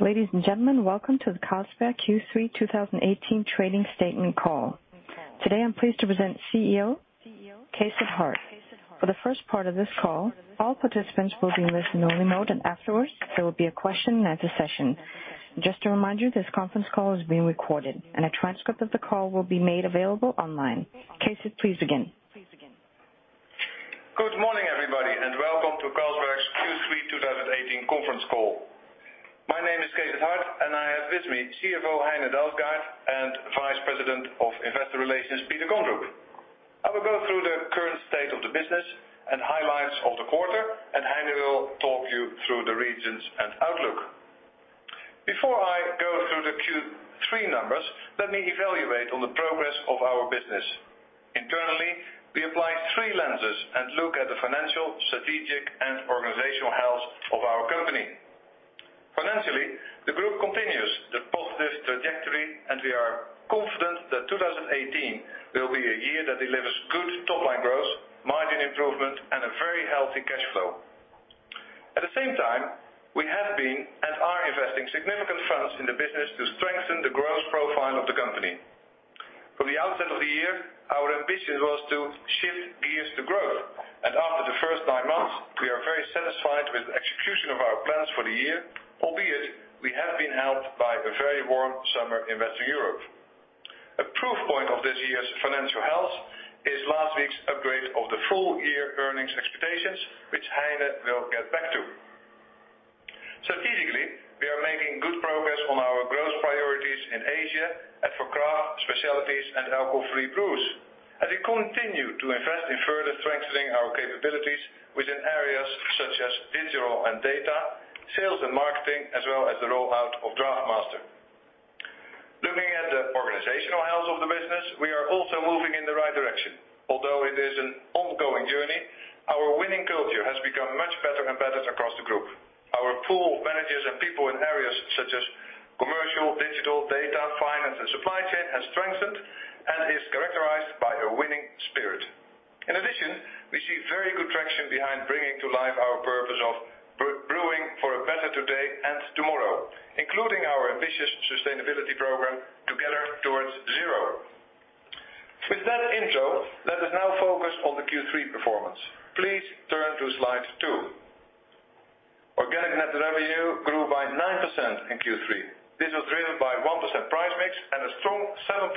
Ladies and gentlemen, welcome to the Carlsberg Q3 2018 trading statement call. Today, I am pleased to present CEO Cees 't Hart. For the first part of this call, all participants will be listening-only mode, and afterwards, there will be a question and answer session. Just to remind you, this conference call is being recorded and a transcript of the call will be made available online. Cees 't, please begin. Good morning, everybody, and welcome to Carlsberg's Q3 2018 conference call. My name is Cees 't Hart, and I have with me CFO Heine Dalsgaard and Vice President of Investor Relations, Peter Kondrup. I will go through the current state of the business and highlights of the quarter, and Heine will talk you through the regions and outlook. Before I go through the Q3 numbers, let me evaluate on the progress of our business. Internally, we apply three lenses and look at the financial, strategic, and organizational health of our company. Financially, the group continues the positive trajectory, and we are confident that 2018 will be a year that delivers good top-line growth, margin improvement, and a very healthy cash flow. At the same time, we have been and are investing significant funds in the business to strengthen the growth profile of the company. From the outset of the year, our ambition was to shift gears to growth, and after the first nine months, we are very satisfied with the execution of our plans for the year, albeit we have been helped by a very warm summer in Western Europe. A proof point of this year's financial health is last week's upgrade of the full-year earnings expectations, which Heine will get back to. Strategically, we are making good progress on our growth priorities in Asia and for craft, Specialties, and Alcohol-Free Brews. And we continue to invest in further strengthening our capabilities within areas such as digital and data, sales and marketing, as well as the rollout of DraughtMaster. Looking at the organizational health of the business, we are also moving in the right direction. Although it is an ongoing journey, our winning culture has become much better embedded across the group. Our pool of managers and people in areas such as commercial, digital, data, finance, and supply chain has strengthened and is characterized by a winning spirit. In addition, we see very good traction behind bringing to life our purpose of brewing for a better today and tomorrow, including our ambitious sustainability program, Together Towards ZERO. With that intro, let us now focus on the Q3 performance. Please turn to slide two. Organic net revenue grew by 9% in Q3. This was driven by 1% price mix and a strong 7.6%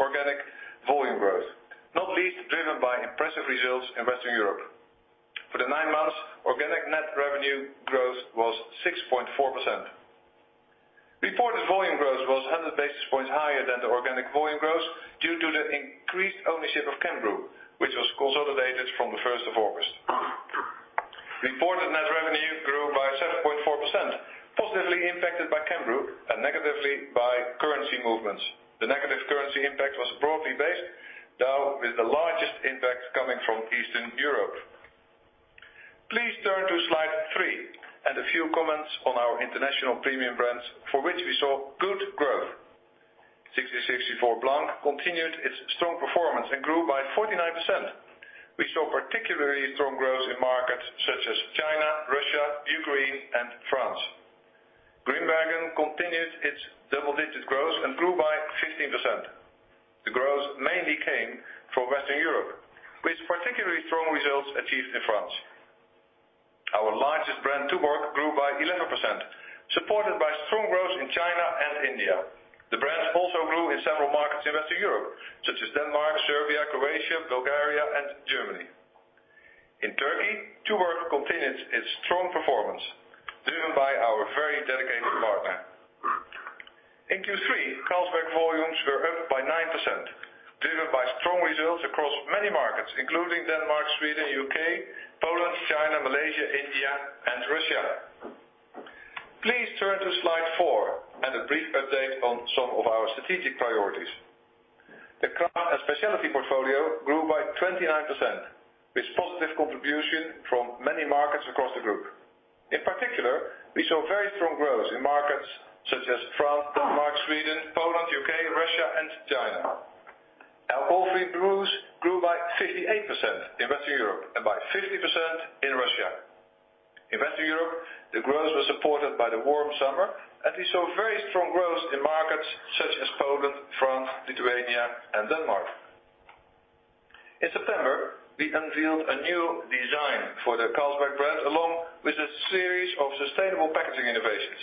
organic volume growth, not least driven by impressive results in Western Europe. For the nine months, organic net revenue growth was 6.4%. Reported volume growth was 100 basis points higher than the organic volume growth due to the increased ownership of Cambrew, which was consolidated from the 1st of August. Reported net revenue grew by 7.4%, positively impacted by Cambrew and negatively by currency movements. The negative currency impact was broadly based, though, with the largest impact coming from Eastern Europe. Please turn to slide three and a few comments on our international premium brands, for which we saw good growth. 1664 Blanc continued its strong performance and grew by 49%. We saw particularly strong growth in markets such as China, Russia, Ukraine, and France. Grimbergen continued its double-digit growth and grew by 15%. The growth mainly came from Western Europe, with particularly strong results achieved in France. Our largest brand, Tuborg, grew by 11%, supported by strong growth in China and India. The brand also grew in several markets in Western Europe, such as Denmark, Serbia, Croatia, Bulgaria, and Germany. In Turkey, Tuborg continued its strong performance, driven by our very dedicated partner. In Q3, Carlsberg volumes were up by 9%, driven by strong results across many markets, including Denmark, Sweden, U.K., Poland, China, Malaysia, India, and Russia. Please turn to slide four and a brief update on some of our strategic priorities. The CRAFT and Specialty portfolio grew by 29%, with positive contribution from many markets across the group. In particular, we saw very strong growth in markets such as France, Denmark, Sweden, Poland, U.K., Russia, and China. Alcohol-free brews grew by 58% in Western Europe and by 50% in Russia. In Western Europe, the growth was supported by the warm summer, and we saw very strong growth in markets such as Poland, France, Lithuania, and Denmark. In September, we unveiled a new design for the Carlsberg brand, along with a series of sustainable packaging innovations.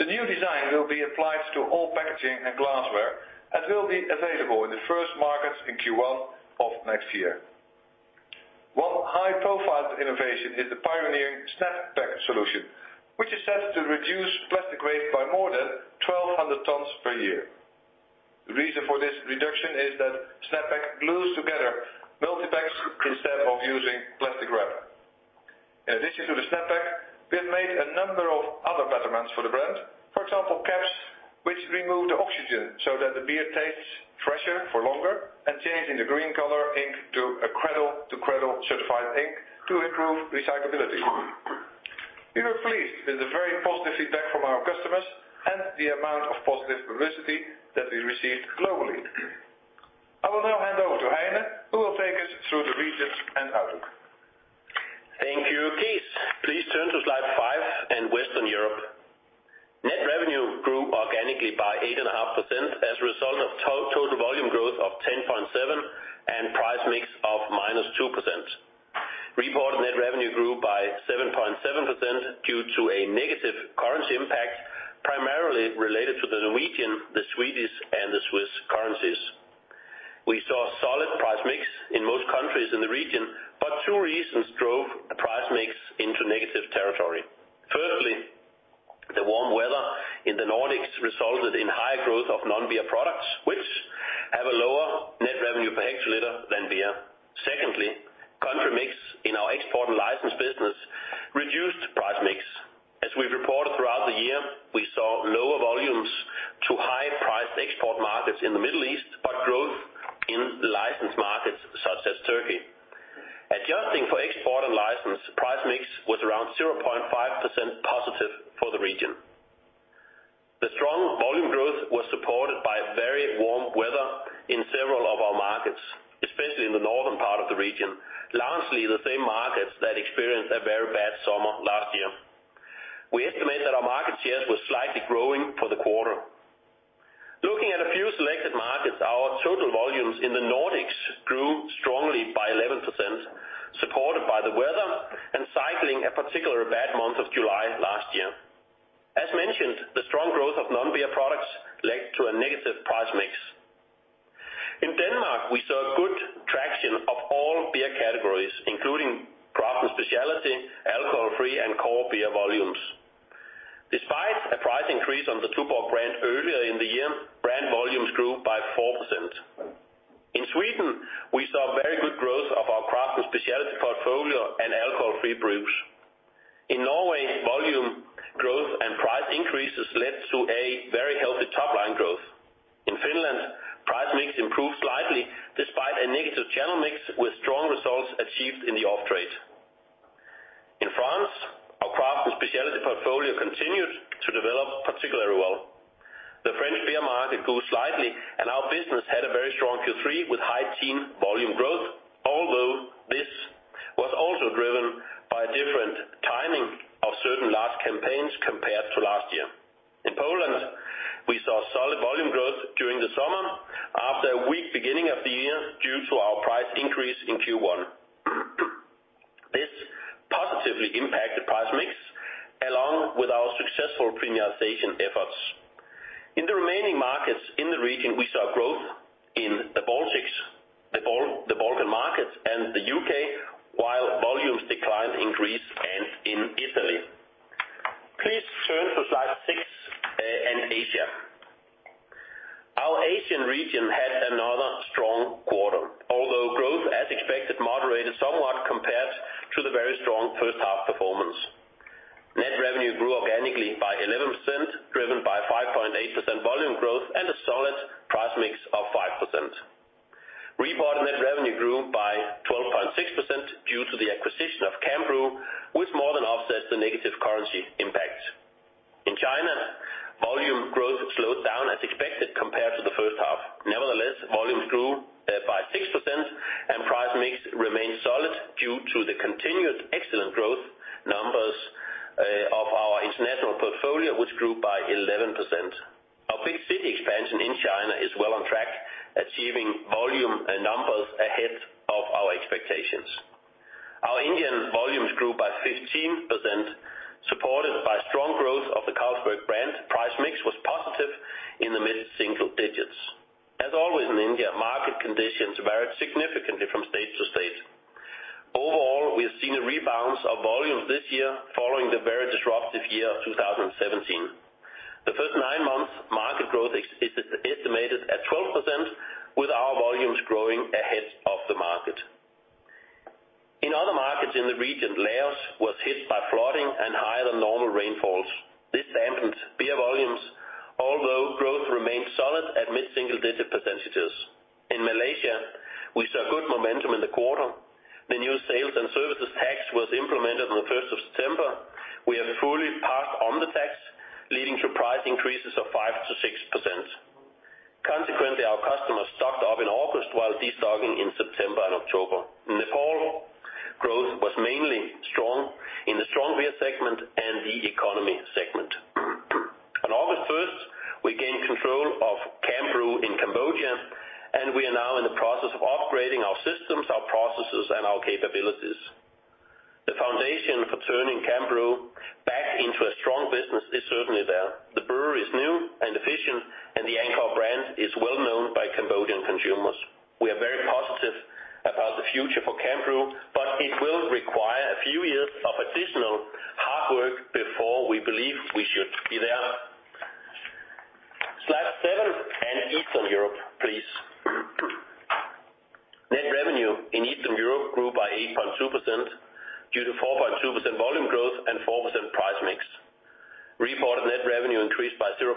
The new design will be applied to all packaging and glassware and will be available in the first markets in Q1 of next year. One high-profile innovation is the pioneering Snap Pack solution, which is set to reduce plastic waste by more than 1,200 tons per year. The reason for this reduction is that Snap Pack glues together multi-packs instead of using plastic wrap. In addition to the Snap Pack, we have made a number of other betterments for the brand. For example, caps which remove the oxygen so that the beer tastes fresher for longer, and changing the green color ink to a Cradle to Cradle Certified ink to improve recyclability. We were pleased with the very positive feedback from our customers and the amount of positive publicity that we received globally. I will now hand over to the regions and outlook. Thank you, Cees. Please turn to slide five in Western Europe. Net revenue grew organically by 8.5% as a result of total volume growth of 10.7% and price mix of minus 2%. Reported net revenue grew by 7.7% due to a negative currency impact, primarily related to the Norwegian, the Swedish, and the Swiss currencies. We saw solid price mix in most countries in the region, but two reasons drove the price mix into negative territory. Firstly, the warm weather in the Nordics resulted in high growth of non-beer products, which have a lower net revenue per hectoliter than beer. Secondly, country mix in our export and license business reduced price mix. As we've reported throughout the year, we saw lower volumes to high-priced export markets in the Middle East, but growth in licensed markets such as Turkey. Adjusting for export and license, price mix was around 0.5% positive for the region. The strong volume growth was supported by very warm weather in several of our markets, especially in the northern part of the region. Largely the same markets that experienced a very bad summer last year. We estimate that our market shares were slightly growing for the quarter. Looking at a few selected markets, our total volumes in the Nordics grew strongly by 11%, supported by the weather and cycling a particular bad month of July last year. As mentioned, the strong growth of non-beer products led to a negative price mix. In Denmark, we saw good traction of all beer categories, including craft and specialty, alcohol-free, and core beer volumes. Despite a price increase on the Tuborg brand earlier in the year, brand volumes grew by 4%. In Sweden, we saw very good growth of our craft and specialty portfolio and alcohol-free brews. In Norway, volume growth and price increases led to a very healthy top-line growth. In Finland, price mix improved slightly despite a negative channel mix, with strong results achieved in the off-trade. In France, our craft and specialty portfolio continued to develop particularly well. The French beer market grew slightly, and our business had a very strong Q3 with high teen volume growth, although this was also driven by a different timing of certain large campaigns compared to last year. In Poland, we saw solid volume growth during the summer after a weak beginning of the year due to our price increase in Q1. This positively impacted price mix along with our successful premiumization efforts. In the remaining markets in the region, we saw growth in the Baltics, the Balkan markets, and the U.K., while volumes declined in Greece and in Italy. Please turn to slide six, and Asia. Our Asian region had another strong quarter, although growth, as expected, moderated somewhat compared to the very strong first half performance. Net revenue grew organically by 11%, driven by 5.8% volume growth and a solid price mix of 5%. Reported net revenue grew by 12.6% due to the acquisition of Cambrew, which more than offsets the negative currency impact. In China, volume growth slowed down as expected compared to the first half. Nevertheless, volumes grew by 6% and price mix remained solid due to the continued excellent growth numbers of our international portfolio, which grew by 11%. Our big city expansion in China is well on track, achieving volume numbers ahead of our expectations. Our Indian volumes grew by 15%, supported by strong growth of the Carlsberg brand. Price mix was positive in the mid-single digits. As always in India, market conditions varied significantly from state to state. Overall, we have seen a rebalance of volumes this year following the very disruptive year of 2017. The first nine months, market growth is estimated at 12%, with our volumes growing ahead of the market. In other markets in the region, Laos was hit by flooding and higher-than-normal rainfalls. This dampened beer volumes, although growth remained solid at mid-single-digit percentages. In Malaysia, we saw good momentum in the quarter. The new sales and services tax was implemented on the 1st of September. We have fully passed on the tax, leading to price increases of 5%-6%. Consequently, our customers stocked up in August while destocking in September and October. In Nepal, growth was mainly strong in the strong beer segment and the economy segment. On August 1st, we gained control of Cambrew in Cambodia, and we are now in the process of upgrading our systems, our processes, and our capabilities. The foundation for turning Cambrew back into a strong business is certainly there. The brewery is new and efficient, and the Angkor brand is well-known by Cambodian consumers. We are very positive about the future for Cambrew, but it will require a few years of additional hard work before we believe we should be there. Slide seven and Eastern Europe, please. Net revenue in Eastern Europe grew by 8.2% due to 4.2% volume growth and 4% price mix. Reported net revenue increased by 0.6%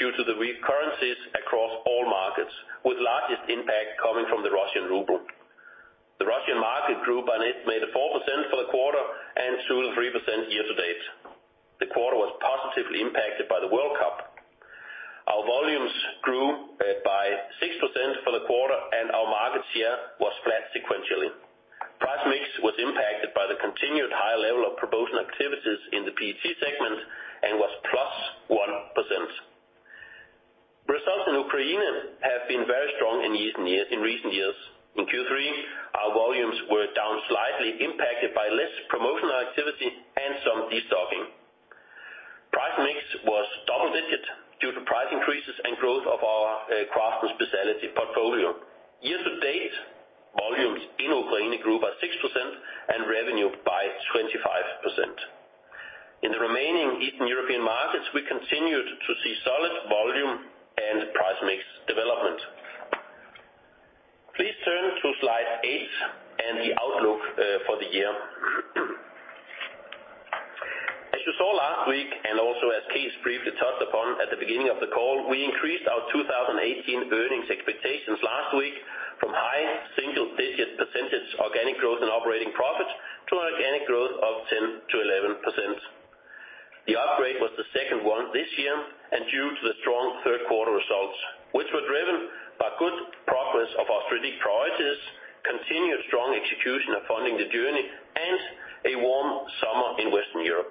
due to the weak currencies across all markets, with largest impact coming from the Russian ruble. The Russian market grew by an estimated 4% for the quarter and 2%-3% year-to-date. The quarter was positively impacted by the World Cup. Our volumes grew by 6% for the quarter, and our market share was flat sequentially. Price mix was impacted by the continued high level of promotional activities in the PET segment and was +1%. Results in Ukraine have been very strong in recent years. In Q3, our volumes were down slightly, impacted by less promotional activity and some de-stocking. Price mix was double digits due to price increases and growth of our craft and specialty portfolio. Year to date, volumes in Ukraine grew by 6% and revenue by 25%. In the remaining Eastern European markets, we continued to see solid volume and price mix development. Please turn to Slide Eight and the outlook for the year. As you saw last week, also as Cees briefly touched upon at the beginning of the call, we increased our 2018 earnings expectations last week from high single-digit percentage organic growth and operating profit to an organic growth of 10% to 11%. The upgrade was the second one this year and due to the strong third quarter results, which were driven by good progress of our strategic priorities, continued strong execution of Funding the Journey, and a warm summer in Western Europe.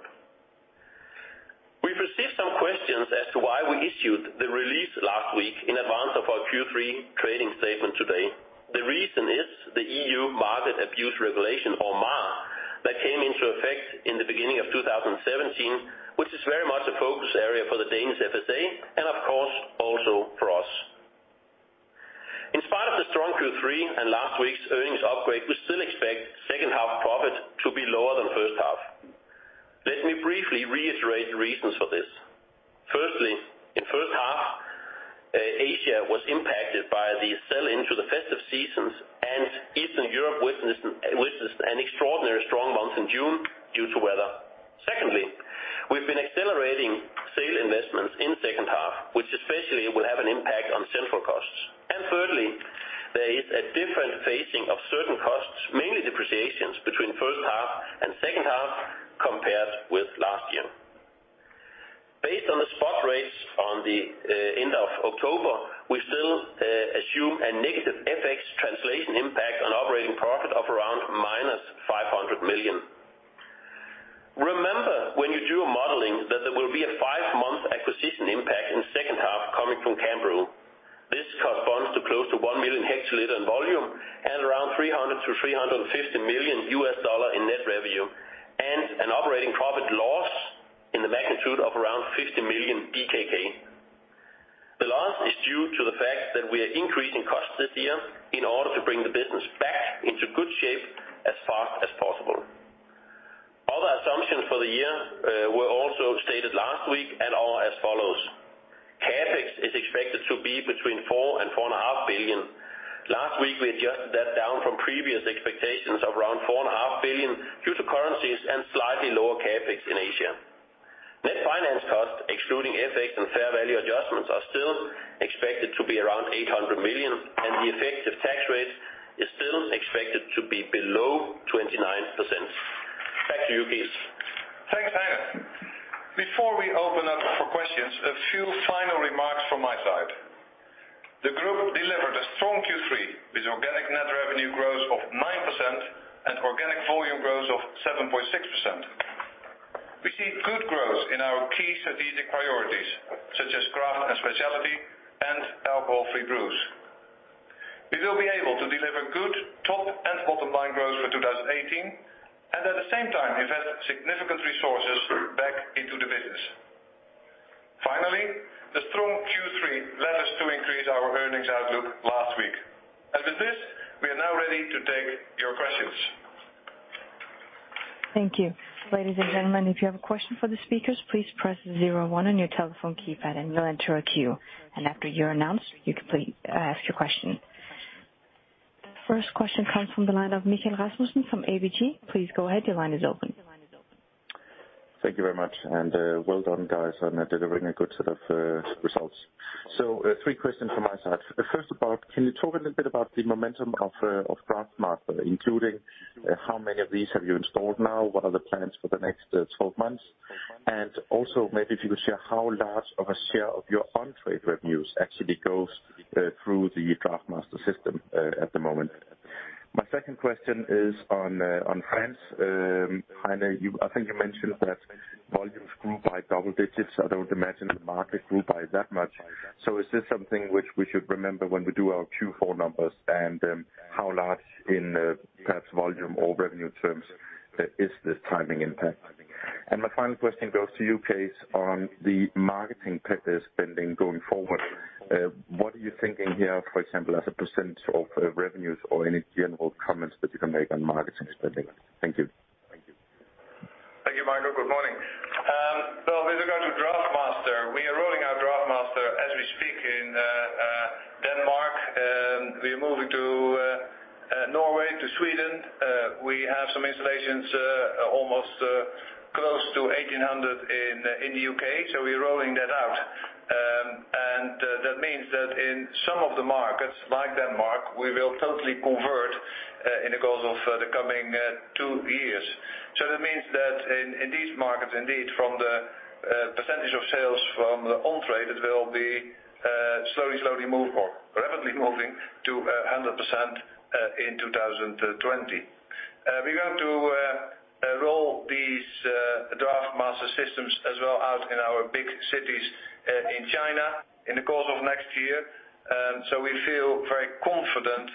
We've received some questions as to why we issued the release last week in advance of our Q3 trading statement today. The reason is the EU Market Abuse Regulation, or MAR, that came into effect in the beginning of 2017, which is very much a focus area for the Danish FSA and of course, also for us. In spite of the strong Q3 and last week's earnings upgrade, we still expect second half profit to be lower than first half. Let me briefly reiterate the reasons for this. Firstly, in first half, Asia was impacted by the sell into the festive seasons and Eastern Europe, which is an extraordinarily strong month in June due to weather. Secondly, we've been accelerating SAIL'22 investments in second half, which especially will have an impact on central costs. Thirdly, there is a different phasing of certain costs, mainly depreciations between first half and second half compared with last year. Based on the spot rates on the end of October, we still assume a negative FX translation impact on operating profit of around -500 million. Remember when you do a modeling that there will be a five-month acquisition impact in the second half coming from Cambrew. This corresponds to close to 1 million hectoliter in volume and $300 million-$350 million in net revenue, and an operating profit loss in the magnitude of around 50 million. The loss is due to the fact that we are increasing costs this year in order to bring the business back into good shape as fast as possible. Other assumptions for the year were also stated last week and are as follows. CapEx is expected to be between 4 billion-4.5 billion. Last week we adjusted that down from previous expectations of around 4.5 billion due to currencies and slightly lower CapEx in Asia. Net finance cost, excluding FX and fair value adjustments, are still expected to be around 800 million, and the effective tax rate is still expected to be below 29%. Back to you, Cees. Thanks, Heine. Before we open up for questions, a few final remarks from my side. The group delivered a strong Q3 with organic net revenue growth of 9% and organic volume growth of 7.6%. We see good growth in our key strategic priorities, such as craft and specialty and alcohol-free brews. We will be able to deliver good top and bottom line growth for 2018, and at the same time invest significant resources back into the business. Finally, the strong Q3 led us to increase our earnings outlook last week. With this, we are now ready to take your questions. Thank you. Ladies and gentlemen, if you have a question for the speakers, please press zero one on your telephone keypad and you'll enter a queue. After you're announced, you can please ask your question. First question comes from the line of Michael Rasmussen from ABG. Please go ahead. Your line is open. Thank you very much, and well done, guys, on delivering a good set of results. Three questions from my side. First about, can you talk a little bit about the momentum of DraughtMaster, including how many of these have you installed now, what are the plans for the next 12 months? Also maybe if you could share how large of a share of your on-trade revenues actually goes through the DraughtMaster system at the moment. My second question is on France. Heine, I think you mentioned that volumes grew by double digits. I don't imagine the market grew by that much. Is this something which we should remember when we do our Q4 numbers? How large in perhaps volume or revenue terms is this timing impact? My final question goes to you, Cees, on the marketing spending going forward. What are you thinking here, for example, as a % of revenues or any general comments that you can make on marketing spending? Thank you. Thank you, Michael. Good morning. With regard to DraughtMaster, we are rolling out DraughtMaster as we speak in Denmark. We are moving to Norway, to Sweden. We have some installations almost close to 1,800 in the U.K., we're rolling that out. That means that in some of the markets, like Denmark, we will totally convert in the course of the coming two years. That means that in these markets, indeed from the percentage of sales from on-trade, it will be slowly move or rapidly moving to 100% in 2020. We're going to roll these DraughtMaster systems as well out in our big cities in China in the course of next year. We feel very confident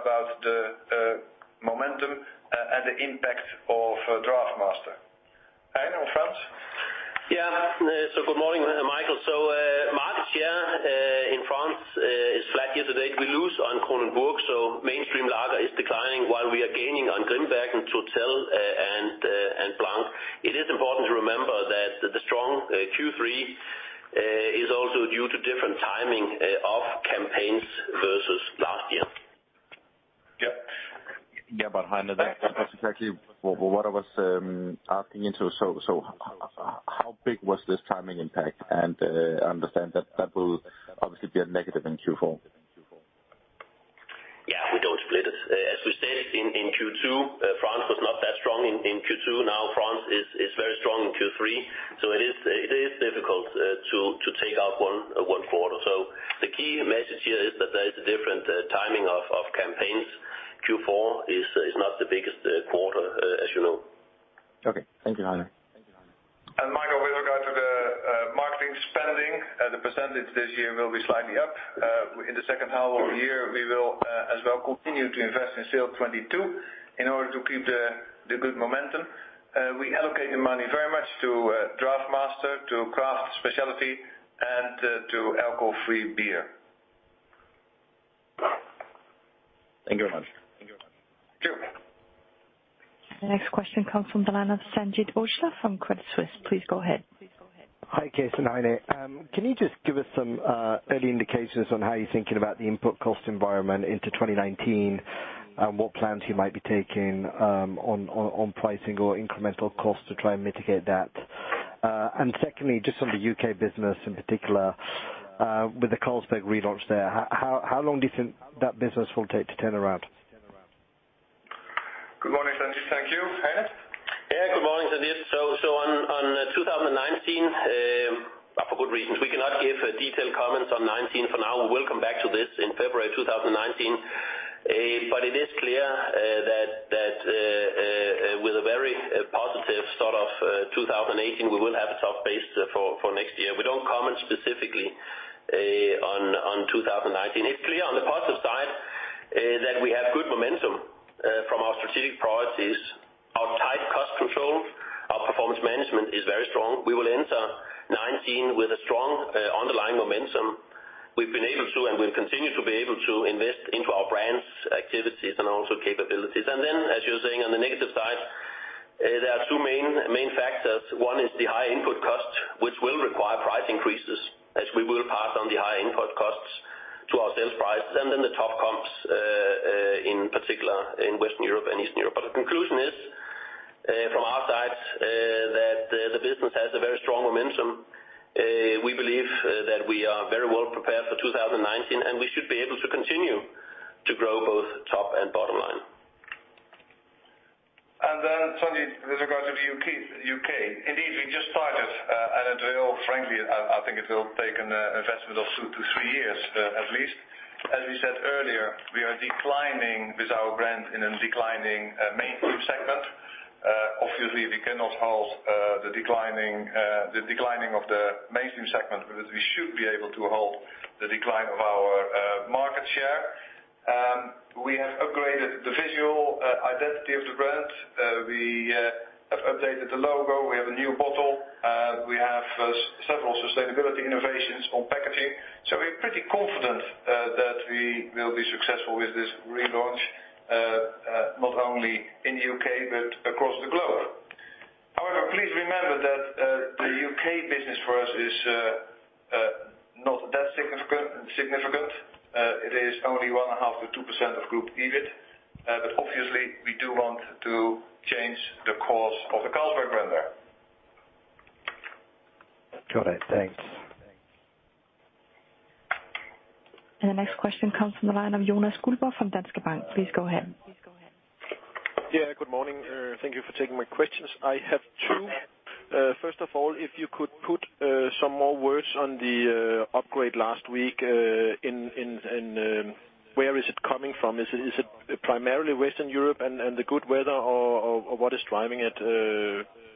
about the momentum and the impact of DraughtMaster. Heine, on France? Yeah. Good morning, Michael. Market share in France is flat year-to-date. We lose on Kronenbourg, mainstream lager is declining while we are gaining on Grimbergen, Tourtel, and Blanc. It is important to remember that the strong Q3 is also due to different timing of campaigns versus last year. Yep. Yeah, Heine, that's exactly what I was asking into. How big was this timing impact? I understand that will obviously be a negative in Q4. Yeah, we don't split it. As we stated in Q2, France was not that strong in Q2. France is very strong in Q3, it is difficult to take out one quarter. The key message here is that there is a different timing of campaigns. Q4 is not the biggest quarter, as you know. Okay. Thank you, Heine. Michael, with regard to the marketing spending, the percentage this year will be slightly up. In the second half of the year, we will as well continue to invest in SAIL'22 in order to keep the good momentum. We allocate the money very much to DraughtMaster, to craft specialty, and to alcohol-free beer. Thank you very much. Thank you. The next question comes from the line of Sanjeet Aujla from Credit Suisse. Please go ahead. Hi, Cees and Heine. Can you just give us some early indications on how you're thinking about the input cost environment into 2019, what plans you might be taking on pricing or incremental costs to try and mitigate that? Secondly, just on the U.K. business in particular, with the Carlsberg relaunch there, how long do you think that business will take to turn around? Good morning, Sanjeet. Thank you. Heine? Good morning, Sanjeet. On 2019, for good reasons, we cannot give detailed comments on 2019 for now. We will come back to this in February 2019. It is clear that with a very positive start of 2018, we will have a tough base for next year. We don't comment specifically on 2019. It's clear on the positive side that we have good momentum from our strategic priorities, our tight cost control, our performance management is very strong. We will enter 2019 with a strong underlying momentum. We've been able to, and will continue to be able to invest into our brands, activities, and also capabilities. As you're saying, on the negative side, there are two main factors. One is the high input cost, which will require price increases as we will pass on the high input costs to our sales prices, the tough comps, in particular in Western Europe and Eastern Europe. The conclusion is, from our side, that the business has a very strong momentum. We believe that we are very well prepared for 2019, and we should be able to continue to grow both top and bottom line. Sanjeet, with regards to U.K., indeed, we just started, and frankly, I think it will take an investment of two to three years at least. As we said earlier, we are declining with our brand in a declining mainstream segment. Obviously, we cannot halt the declining of the mainstream segment, but we should be able to halt the decline of our market share. We have upgraded the visual identity of the brand. We have updated the logo. We have a new bottle. We have several sustainability innovations on packaging. We're pretty confident that we will be successful with this relaunch, not only in the U.K., but across the globe. However, please remember that the U.K. business for us is not that significant. It is only 1.5%-2% of group EBIT, but obviously, we do want to change the course of the Carlsberg brand there. Got it. Thanks. The next question comes from the line of Jonas Guldborg from Danske Bank. Please go ahead. Yeah, good morning. Thank you for taking my questions. I have two. First of all, if you could put some more words on the upgrade last week, and where is it coming from? Is it primarily Western Europe and the good weather, or what is driving it?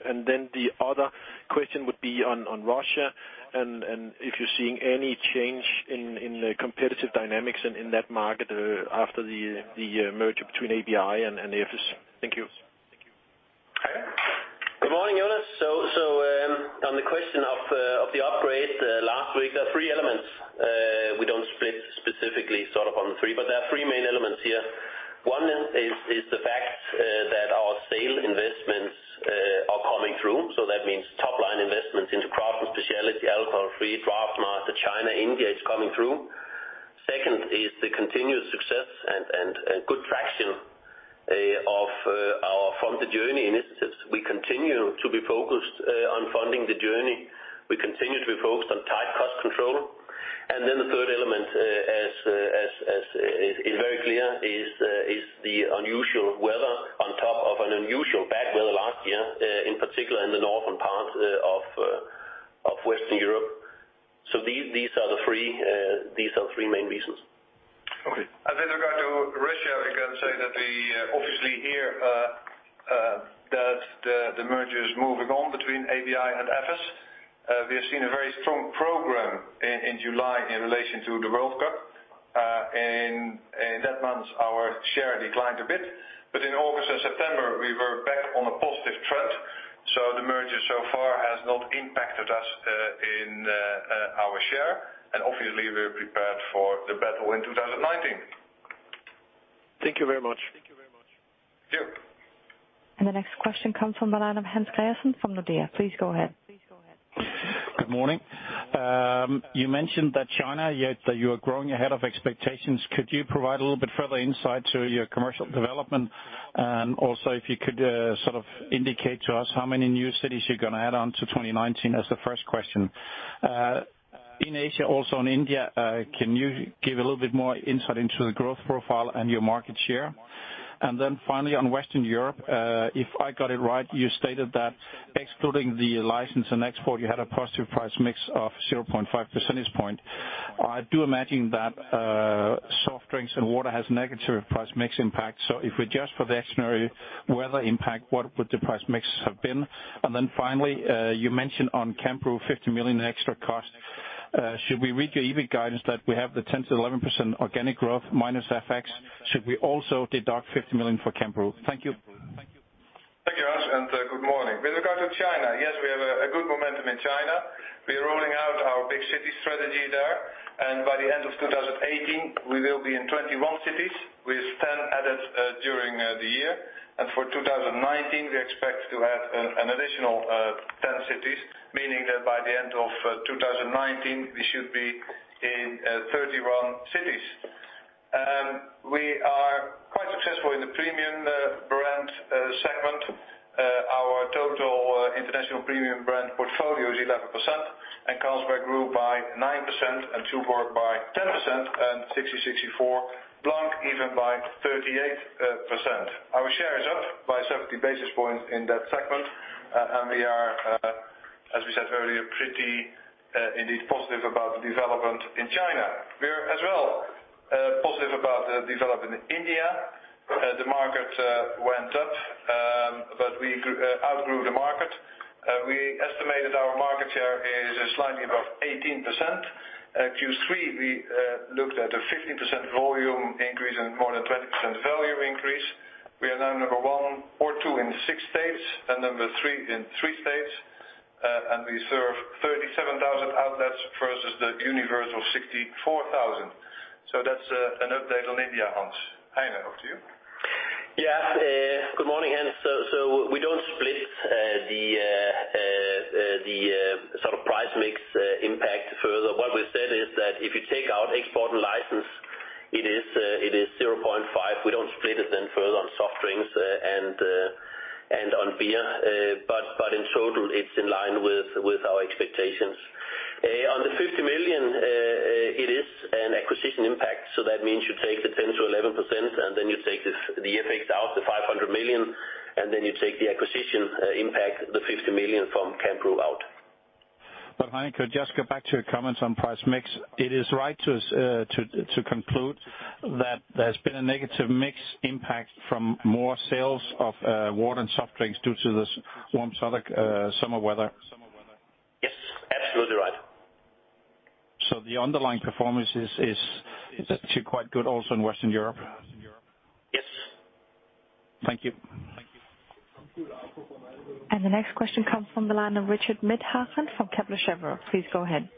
And then the other question would be on Russia, and if you're seeing any change in the competitive dynamics in that market after the merger between ABI and Efes. Thank you. Heine? Good morning, Jonas. On the question of the upgrade last week, there are three elements. We don't split specifically sort of on the three, but there are three main elements here. One is the fact that our SAIL'22 investments are coming through. That means top-line investments into craft and specialty, alcohol-free, DraughtMaster, China, India is coming through. Second is the continued success and good traction of our Funding the Journey initiatives. We continue to be focused on Funding the Journey. We continue to be focused on tight cost control. The third element is very clear, is the unusual weather on top of an unusual bad weather last year, in particular in the northern parts of Western Europe. These are the three main reasons. Okay. Regarding to Russia, we can say that we obviously hear that the merger is moving on between ABI and Efes. We have seen a very strong program in July in relation to the World Cup. In that month, our share declined a bit. In August and September, we were back on a positive trend. The merger so far has not impacted us in our share, and obviously we're prepared for the battle in 2019. Thank you very much. Sure. The next question comes from the line of Hans-Ole Clausen from Nordea. Please go ahead. Good morning. You mentioned that China, yet that you are growing ahead of expectations. Could you provide a little bit further insight to your commercial development? Also, if you could indicate to us how many new cities you're going to add on to 2019 as the first question. In Asia, also in India, can you give a little bit more insight into the growth profile and your market share? Then finally, on Western Europe, if I got it right, you stated that excluding the license and export, you had a positive price mix of 0.5 percentage point. I do imagine that soft drinks and water has negative price mix impact. If we adjust for the extraordinary weather impact, what would the price mix have been? Then finally, you mentioned on Cambrew, 50 million extra cost. Should we read your EBIT guidance that we have the 10%-11% organic growth minus FX? Should we also deduct 50 million for Cambrew? Thank you. Thank you, Hans, and good morning. With regard to China, yes, we have a good momentum in China. We are rolling out our big city strategy there, by the end of 2018, we will be in 21 cities with 10 added during the year. For 2019, we expect to add an additional 10 cities, meaning that by the end of 2019, we should be in 31 cities. We are quite successful in the premium brand segment. Our total international premium brand portfolio is 11%, and Carlsberg grew by 9% and Tuborg by 10% and 1664 Blanc even by 38%. Our share is up by 70 basis points in that segment, and we are, as we said earlier, pretty indeed positive about the development in China. We are as well positive about the development in India. The market went up, but we outgrew the market. We estimated our market share is slightly above 18%. At Q3, we looked at a 15% volume increase and more than 20% value increase. We are now number 1 or 2 in six states, and number 3 in three states. We serve 37,000 outlets versus the universe of 64,000. That's an update on India, Hans. Heine, over to you. Yeah. Good morning, Hans. We don't split the price mix impact further. What we've said is that if you take out export and license, it is 0.5. We don't split it then further on soft drinks and on beer. In total, it's in line with our expectations. On the 50 million, it is an acquisition impact, that means you take the 10%-11% and then you take the FX out, the 500 million, and then you take the acquisition impact, the 50 million from Cambrew out. Heine, could I just go back to your comments on price mix. It is right to conclude that there's been a negative mix impact from more sales of water and soft drinks due to this warm summer weather? Yes, absolutely right. The underlying performance is actually quite good also in Western Europe? Yes. Thank you. The next question comes from the line of Richard Withagen from Kepler Cheuvreux. Please go ahead.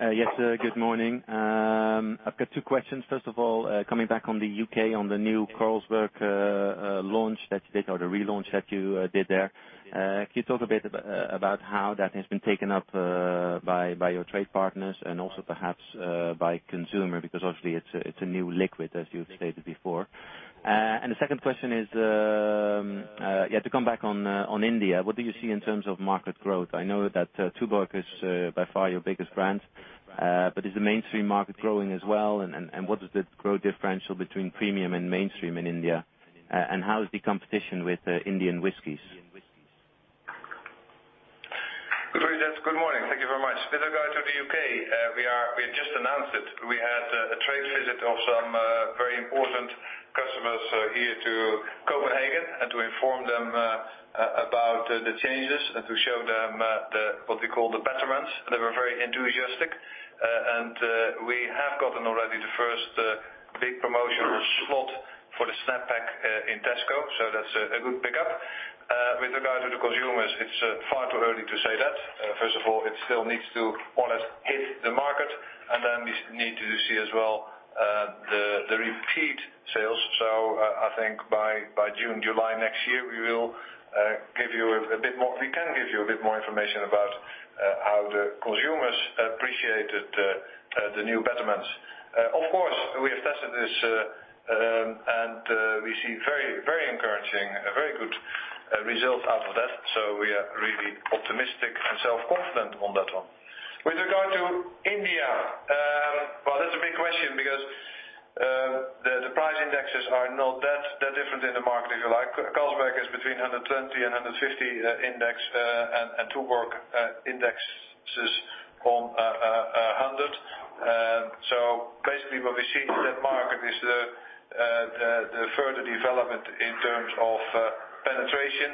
Yes, good morning. I've got two questions. First of all, coming back on the U.K. on the new Carlsberg launch that you did, or the relaunch that you did there. Can you talk a bit about how that has been taken up by your trade partners and also perhaps by consumer? Because obviously it's a new liquid, as you've stated before. The second question is to come back on India. What do you see in terms of market growth? I know that Tuborg is by far your biggest brand, but is the mainstream market growing as well, and what is the growth differential between premium and mainstream in India? How is the competition with Indian whiskeys? Good morning. Thank you very much. With regard to the U.K., we have just announced it. We had a trade visit of some very important customers here to Copenhagen and to inform them about the changes and to show them what we call the betterments. They were very enthusiastic. We have gotten already the first big promotional slot for the Snap Pack in Tesco, so that's a good pickup. With regard to the consumers, it's far too early to say that. First of all, it still needs to almost hit the market, and then we need to see as well the repeat sales. I think by June, July next year, we can give you a bit more information about how the consumers appreciated the new betterments. Of course, we have tested this, and we see very encouraging, very good results out of that. We are really optimistic and self-confident on that one. With regard to India, well, that's a big question because the price indexes are not that different in the market, if you like. Carlsberg is between 120 and 150 index, and Tuborg index is on 100. Basically, what we see in that market is the further development in terms of penetration.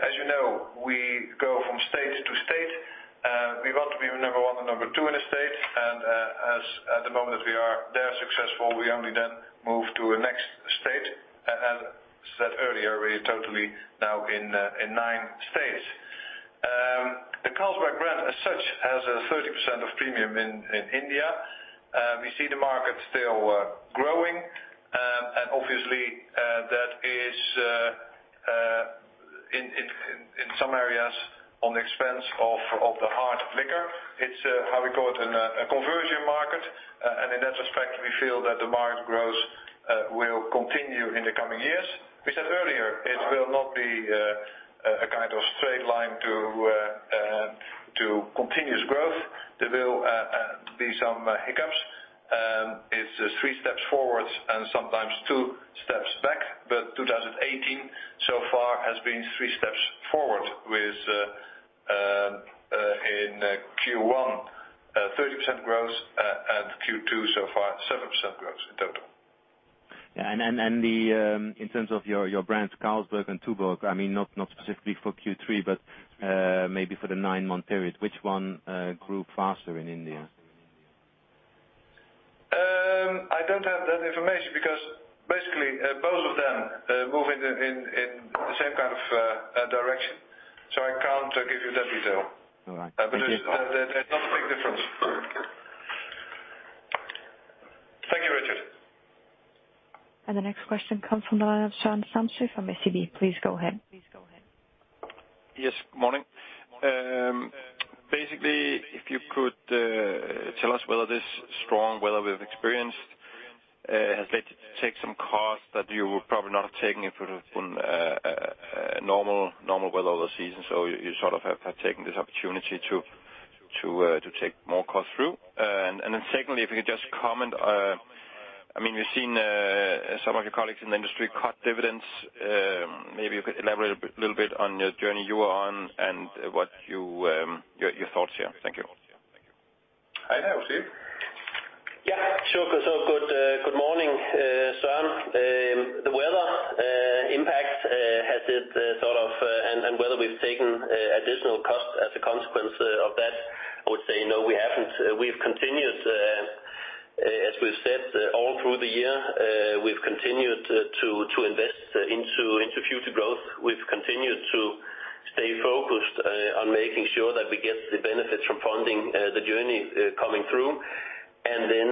As you know, we go from state to state. We want to be number one or number two in a state, and as at the moment we are there successful, we only then move to a next state. As I said earlier, we are totally now in nine states. The Carlsberg brand as such has a 30% of premium in India. We see the market still growing, and obviously that is in some areas on the expense of the hard liquor. It's, how we call it, a conversion market. In that respect, we feel that the market growth will continue in the coming years. We said earlier, it will not be a kind of straight line to continuous growth. There will be some hiccups. It's three steps forward and sometimes two steps back. 2018 so far has been three steps forward with, in Q1, 30% growth, and Q2 so far, 7% growth in total. Yeah. In terms of your brands, Carlsberg and Tuborg, not specifically for Q3, but maybe for the nine-month period, which one grew faster in India? I don't have that information because basically, both of them move in the same kind of direction, so I can't give you that detail. All right. They're not a big difference. Thank you, Richard. The next question comes from the line of Søren Samsøe from SEB. Please go ahead. Yes, good morning. Basically, if you could tell us whether this strong weather we've experienced has led you to take some costs that you would probably not have taken if it had been a normal weather over the season, so you sort of have taken this opportunity to take more costs through. Secondly, if you could just comment, we've seen some of your colleagues in the industry cut dividends. Maybe you could elaborate a little bit on your journey you are on and what your thoughts here are. Thank you. Heine, I will see you. Yeah, sure. Good morning, Søren. The weather impact and whether we've taken additional costs as a consequence of that, I would say, no, we haven't. We've continued, as we've said, all through the year, we've continued to invest into future growth. We've continued to stay focused on making sure that we get the benefits from Funding the Journey coming through, and then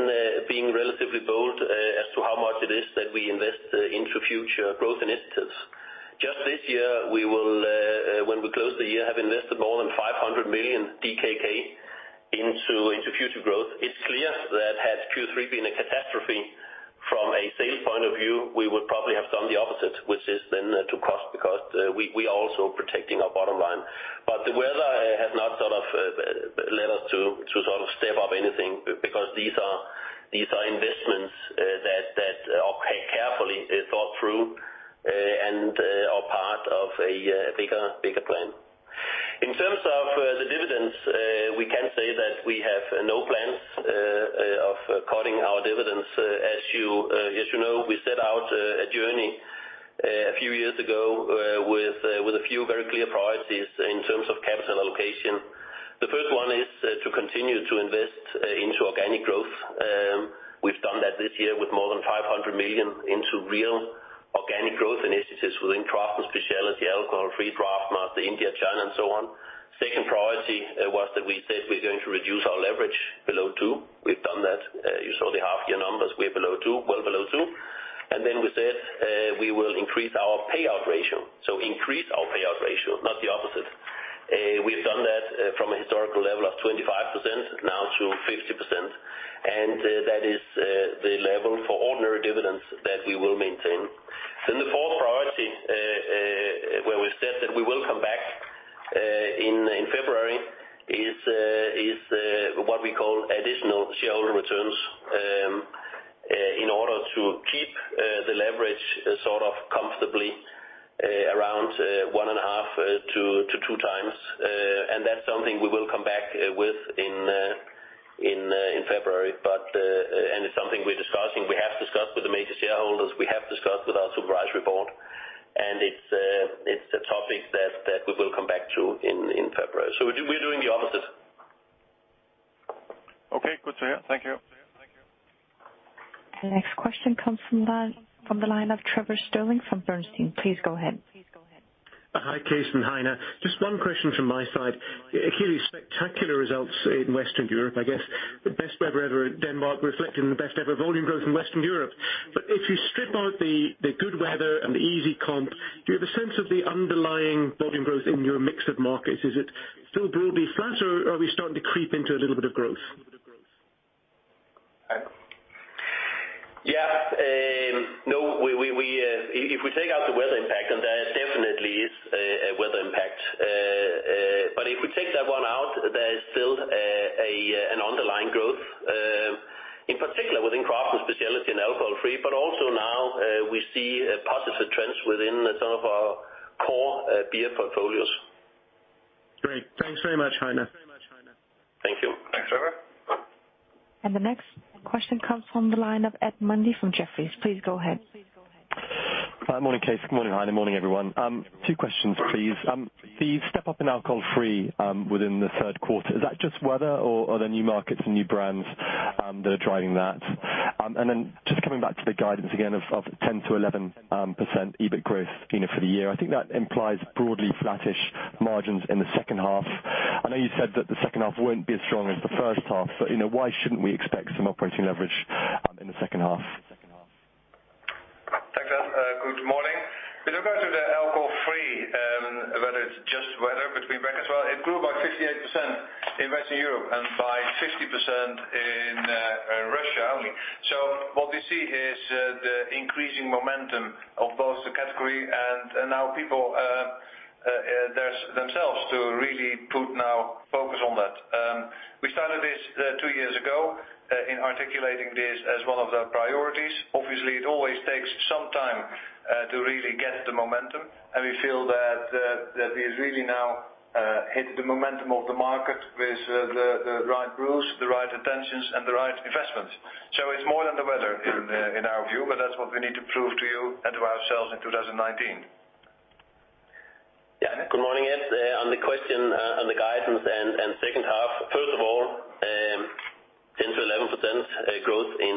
being relatively bold as to how much it is that we invest into future growth initiatives. Just this year, when we close the year, have invested more than 500 million DKK into future growth. It's clear that had Q3 been a catastrophe from a sales point of view, we would probably have done the opposite, which is then to cost because we are also protecting our bottom line. The weather has not led us to step up anything because these are investments that are carefully thought through and are part of a bigger plan. In terms of the dividends, we can say that we have no plans of cutting our dividends. As you know, we set out a journey a few years ago with a few very clear priorities in terms of capital allocation. The first one is to continue to invest into organic growth. We've done that this year with more than 500 million into real organic growth initiatives within craft and specialty, alcohol-free DraughtMaster, India, China, and so on. Second priority was that we said we're going to reduce our leverage below 2. We've done that. You saw the half year numbers. We're below 2, well below 2. We said we will increase our payout ratio. Increase our payout ratio, not the opposite. We've done that from a historical level of 25% now to 50%, and that is the level for ordinary dividends that we will maintain. The fourth priority, where we said that we will come back in February, is what we call additional shareholder returns in order to keep the leverage sort of comfortably around 1.5 to 2 times. That's something we will come back with in February, and it's something we're discussing. We have discussed with the major shareholders, we have discussed with our supervisory board, and it's a topic that we will come back to in February. We're doing the opposite. Good to hear. Thank you. The next question comes from the line of Trevor Stirling from Bernstein. Please go ahead. Hi, Cees and Heine. Just one question from my side. Clearly spectacular results in Western Europe, I guess the best weather ever in Denmark reflected in the best ever volume growth in Western Europe. If you strip out the good weather and the easy comp, do you have a sense of the underlying volume growth in your mix of markets? Is it still broadly flat, or are we starting to creep into a little bit of growth? Yeah. If we take out the weather impact, and there definitely is a weather impact, if we take that one out, there is still an underlying growth, in particular within craft and specialty and alcohol-free. Also now we see positive trends within some of our core beer portfolios. Great. Thanks very much, Heine. Thank you. Thanks, Trevor. The next question comes from the line of Edward Mundy from Jefferies. Please go ahead. Hi, morning, Cees. Good morning, Heine. Morning, everyone. Two questions, please. The step up in alcohol-free within the third quarter, is that just weather or are there new markets and new brands that are driving that? Just coming back to the guidance again of 10%-11% EBIT growth for the year, I think that implies broadly flattish margins in the second half. I know you said that the second half won't be as strong as the first half, why shouldn't we expect some operating leverage in the second half? Thanks, Ed. Good morning. If you go to the alcohol-free, whether it's just weather between quarters, well, it grew by 58% in Western Europe and by 50% in Russia only. What we see is the increasing momentum of both the category and now people themselves to really put now focus on that. We started this two years ago in articulating this as one of the priorities. Obviously, it always takes some time to really get the momentum, we feel that we've really now hit the momentum of the market with the right brews, the right attentions, and the right investments. It's more than the weather in our view, that's what we need to prove to you and to ourselves in 2019. Good morning, Ed. On the question on the guidance and second half, first of all, 10%-11% growth in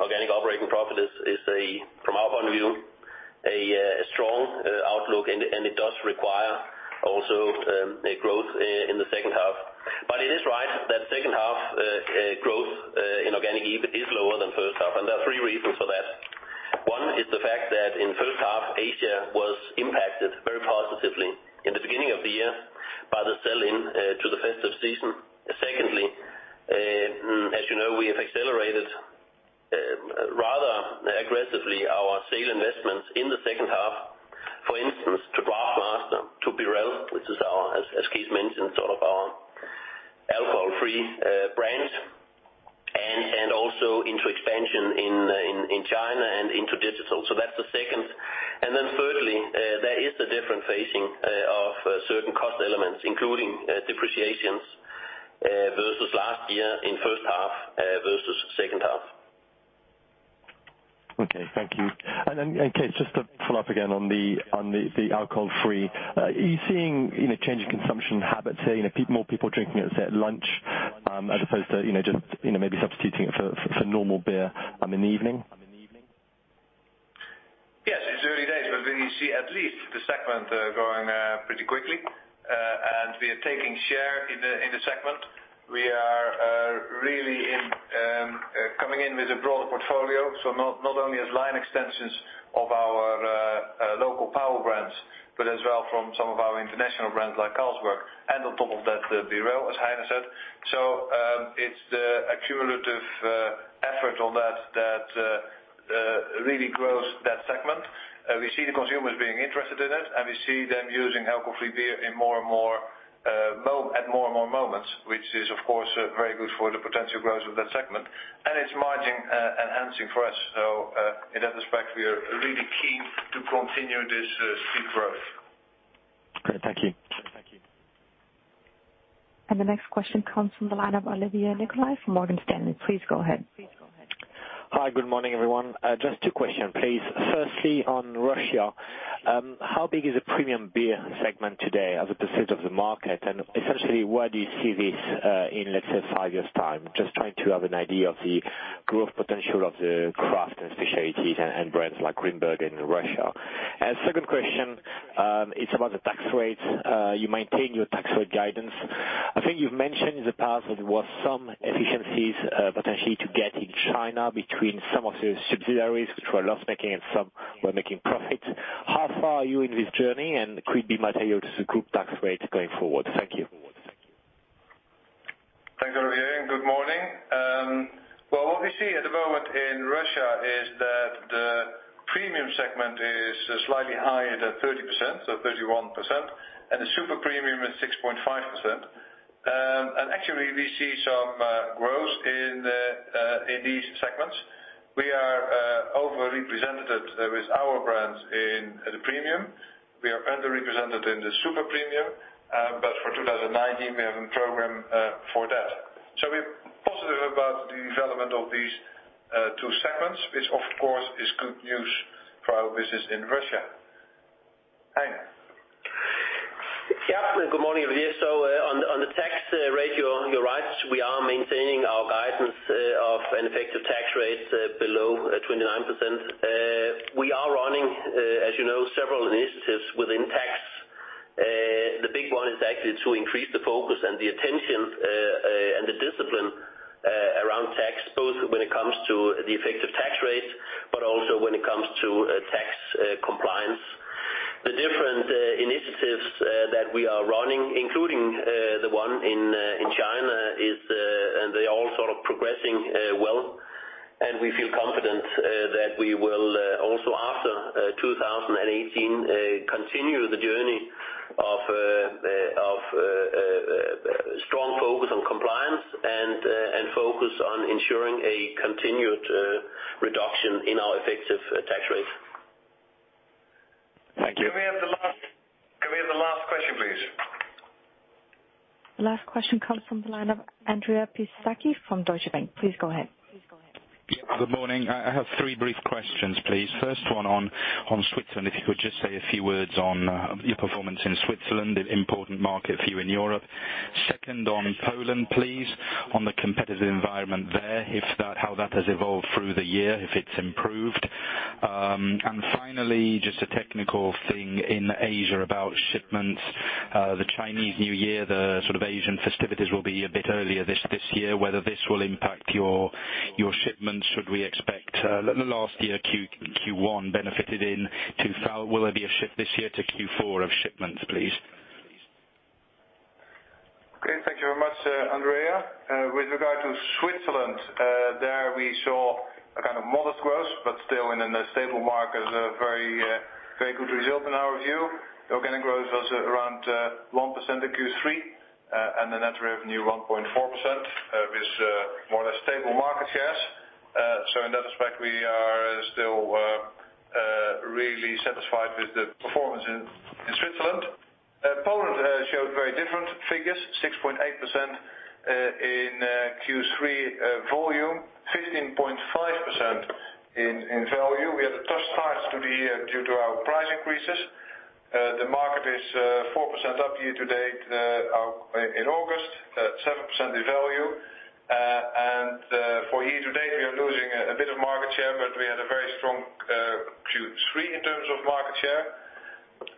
organic operating profit is, from our point of view, a strong outlook, and it does require also a growth in the second half. It is right that second half growth in organic EBIT is lower than first half, and there are three reasons for that. One is the fact that in first half, Asia was impacted very positively in the beginning of the year by the sell-in to the festive season. Secondly, as you know, we have accelerated rather aggressively our sale investments in the second half, for instance, to DraughtMaster, to Birell, which is, as Cees mentioned, our alcohol-free brand, and also into expansion in China and into digital. That's the second. Thirdly, there is a different phasing of certain cost elements, including depreciations versus last year in first half versus second half. Okay, thank you. Cees, just to follow up again on the alcohol-free, are you seeing a change in consumption habits say, more people drinking it, say, at lunch as opposed to just maybe substituting it for normal beer in the evening? Yes. It's early days, but we see at least the segment growing pretty quickly, and we are taking share in the segment. We are really coming in with a broader portfolio. Not only as line extensions of our local power brands, but as well from some of our international brands like Carlsberg, and on top of that, the Birell, as Heine said. It's the accumulative effort on that that really grows that segment. We see the consumers being interested in it, and we see them using alcohol-free beer at more and more moments, which is, of course, very good for the potential growth of that segment. It's margin enhancing for us. In that respect, we are really keen to continue this steep growth. Great. Thank you. The next question comes from the line of Olivier Nicolai from Morgan Stanley. Please go ahead. Hi. Good morning, everyone. Just two question, please. Firstly, on Russia, how big is the premium beer segment today as a percentage of the market? Essentially, where do you see this in, let's say, five years' time? Just trying to have an idea of the growth potential of the craft and specialties and brands like Grimbergen in Russia. Second question, it's about the tax rates. You maintain your tax rate guidance. I think you've mentioned in the past that there was some efficiencies potentially to get in China between some of the subsidiaries, which were loss-making and some were making profit. How far are you in this journey, and could it be material to the group tax rate going forward? Thank you. Thanks, Olivier, and good morning. Well, what we see at the moment in Russia is that the premium segment is slightly higher at 30%, so 31%, and the super premium is 6.5%. Actually, we see some growth in these segments. We are over-represented with our brands in the premium. We are underrepresented in the super premium. For 2019, we have a program for that. We're positive about the development of these two segments, which of course is good news for our business in Russia. Heine. Good morning, Olivier. On the tax rate, you're right. We are maintaining our guidance of an effective tax rate below 29%. We are running, as you know, several initiatives within tax. The big one is actually to increase the focus and the attention and the discipline around tax, both when it comes to the effective tax rate, but also when it comes to tax compliance. The different initiatives that we are running, including the one in China, they all sort of progressing well, and we feel confident that we will also after 2018, continue the journey of strong focus on compliance and focus on ensuring a continued reduction in our effective tax rate. Thank you. Can we have the last question, please? The last question comes from the line of Andrea Pistidda from Deutsche Bank. Please go ahead. Good morning. I have three brief questions, please. First one on Switzerland. If you could just say a few words on your performance in Switzerland, an important market for you in Europe. Second on Poland, please, on the competitive environment there, how that has evolved through the year, if it's improved. Finally, just a technical thing in Asia about shipments. The Chinese New Year, the Asian festivities will be a bit earlier this year, whether this will impact your shipments. Should we expect, last year Q1 benefited in 2018. Will there be a shift this year to Q4 of shipments, please? Thank you very much, Andrea. With regard to Switzerland, there we saw a kind of modest growth, but still in a stable market as a very good result in our view. The organic growth was around 1% in Q3, and the net revenue 1.4%, with more or less stable market shares. In that respect, we are still really satisfied with the performance in Switzerland. Poland showed very different figures, 6.8% in Q3 volume, 15.5% in value. We had a tough start to the year due to our price increases. The market is 4% up year to date in August, at 7% in value. For year to date, we are losing a bit of market share, but we had a very strong Q3 in terms of market share.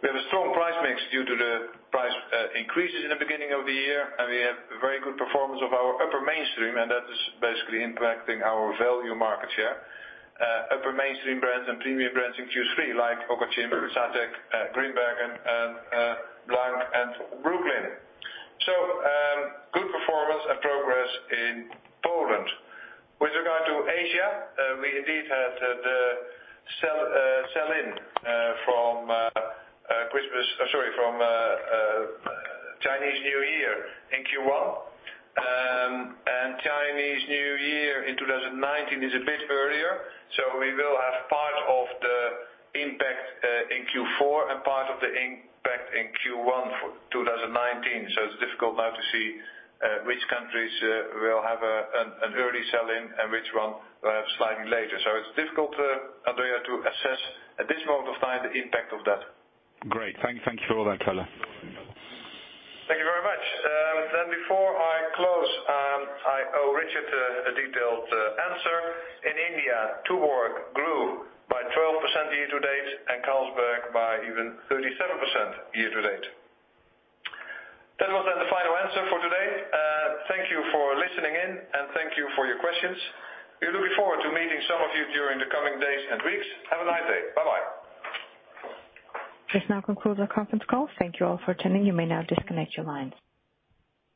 We have a strong price mix due to the price increases in the beginning of the year. We have very good performance of our upper mainstream, and that is basically impacting our value market share. Upper mainstream brands and premium brands in Q3, like Okocim, Zatec, Grimbergen, and Blanc and Brooklyn. Good performance and progress in Poland. With regard to Asia, we indeed had the sell-in from Chinese New Year in Q1. Chinese New Year in 2019 is a bit earlier, so we will have part of the impact in Q4 and part of the impact in Q1 for 2019. It's difficult now to see which countries will have an early sell-in and which one will have slightly later. It's difficult, Andrea, to assess at this moment of time the impact of that. Great. Thank you for all that color. Thank you very much. Before I close, I owe Richard a detailed answer. In India, Tuborg grew by 12% year to date, and Carlsberg by even 37% year to date. That was the final answer for today. Thank you for listening in, and thank you for your questions. We're looking forward to meeting some of you during the coming days and weeks. Have a nice day. Bye-bye. This now concludes our conference call. Thank you all for attending. You may now disconnect your lines.